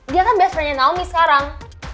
dia kan best friendnya naomi sekarang